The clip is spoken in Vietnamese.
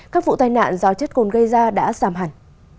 các vụ tai nạn do chất cồn gây ra đã giảm hẳn